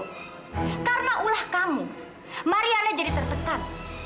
karena ulah kamu mariana jadi tertekan